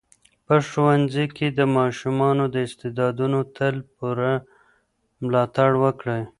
په ښوونځي کې د ماشومانو د استعدادونو تل پوره ملاتړ وکړئ.